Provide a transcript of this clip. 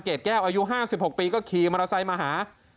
เด็กแก้วอยู่๕๖ปีก็ขี่มาราสายมาหา